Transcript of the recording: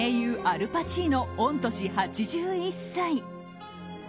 アル・パチーノ御年８１歳。